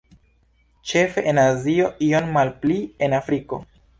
Ĉefe en Azio, iom malpli en Afriko.